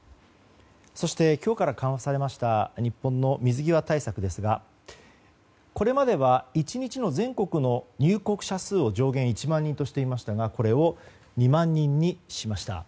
そして今日から緩和されました日本の水際対策ですがこれまでは１日の全国の入国者数を上限１万人としていましたがこれを２万人にしました。